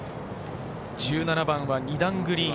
１７番は２段グリーン。